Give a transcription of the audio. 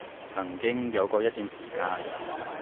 曾經有過一段時間